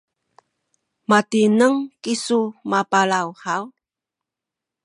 matineng kisu mapalaw haw?